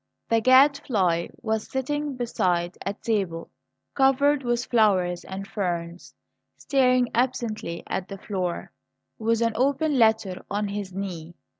The Gadfly was sitting beside a table covered with flowers and ferns, staring absently at the floor, with an open letter on his knee.